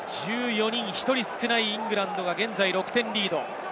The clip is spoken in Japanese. １人少ないイングランドが現在６点リード。